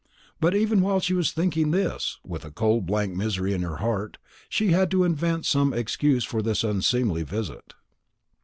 But even while she was thinking this, with a cold blank misery in her heart, she had to invent some excuse for this unseemly visit.